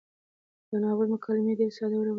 د ناول مکالمې ډېرې ساده او روانې دي.